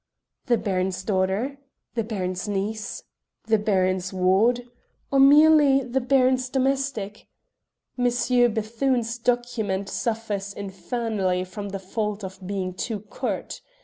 The Baron's daughter? The Baron's niece? The Baron's ward? Or merely the Baron's domestic? M. Bethune's document suffers infernally from the fault of being too curt.